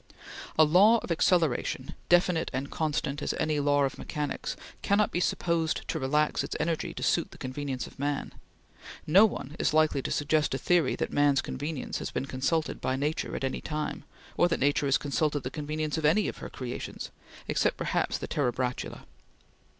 A law of acceleration, definite and constant as any law of mechanics, cannot be supposed to relax its energy to suit the convenience of man. No one is likely to suggest a theory that man's convenience had been consulted by Nature at any time, or that Nature has consulted the convenience of any of her creations, except perhaps the Terebratula.